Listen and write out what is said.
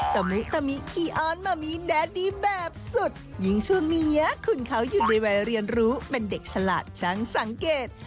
ตะมิตะมิคี้ออนมะมิแดดดี้แบบสุดยิ่งช่วงนี้คุณเขาอยู่ในวัยเรียนรู้เป็นเด็กฉลาดช่างสังเกต